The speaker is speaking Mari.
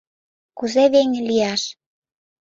Кузе веҥе лияш?